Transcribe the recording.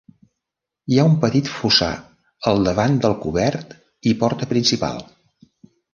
Hi ha un petit fossar al davant del cobert i porta principal.